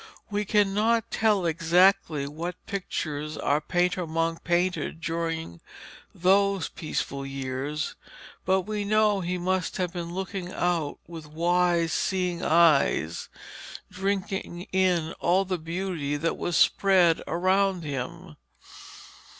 We cannot tell exactly what pictures our painter monk painted during those peaceful years, but we know he must have been looking out with wise, seeing eyes, drinking in all the beauty that was spread around him.